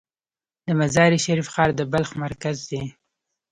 د مزار شریف ښار د بلخ مرکز دی